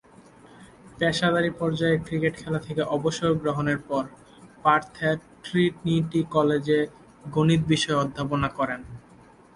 পেশাদারী পর্যায়ের ক্রিকেট খেলা থেকে অবসর গ্রহণের পর পার্থের ট্রিনিটি কলেজে গণিত বিষয়ে অধ্যাপনা করেন।